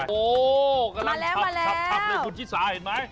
โหกำลังทับด้วยคุณชิริษาเห็นไหม